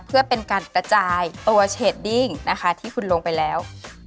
เพื่อเป็นการกระจายตัวเชดดิ้งนะคะที่คุณลงไปแล้ว